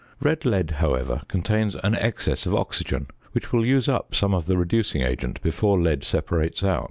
Red lead, however, contains an excess of oxygen which will use up some of the reducing agent before lead separates out.